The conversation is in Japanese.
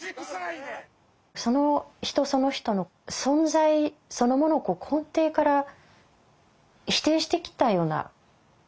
その人その人の存在そのものを根底から否定してきたような事件だったわけですよね。